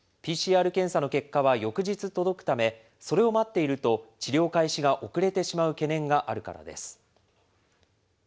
ＰＣＲ検査の結果は翌日届くため、それを待っていると治療開始が遅れてしまう懸念があるからです。